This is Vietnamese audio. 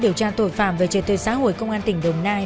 điều tra tội phạm về trật tự xã hội công an tỉnh đồng nai